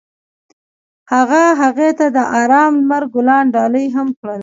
هغه هغې ته د آرام لمر ګلان ډالۍ هم کړل.